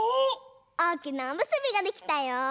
おおきなおむすびができたよ！